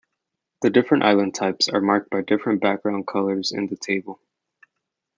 The different island types are marked by different background colours in the table.